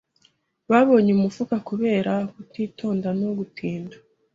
Babonye umufuka kubera kutitonda no gutinda.